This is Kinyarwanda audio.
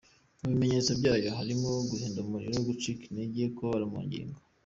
Mu bimenyetso byayo harimo guhinda umuriro, gucika intege, kubabara mu ngingo….